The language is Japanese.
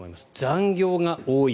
残業が多い。